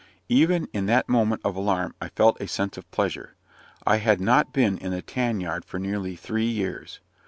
Even in that moment of alarm I felt a sense of pleasure. I had not been in the tan yard for nearly three years.